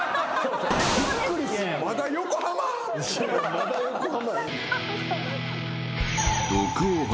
まだ横浜！？